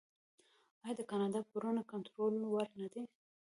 آیا د کاناډا پورونه د کنټرول وړ نه دي؟